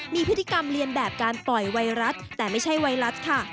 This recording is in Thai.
มีพฤติกรรมเรียนแบบการปล่อยไวรัสแต่ไม่ใช่ไวรัสค่ะ